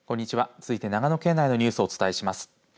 続いて長野県内のニュースをお伝えします。